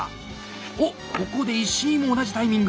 おっここで石井も同じタイミング！